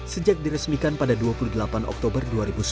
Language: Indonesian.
sejak diresmikan pada dua puluh delapan oktober dua ribu sembilan belas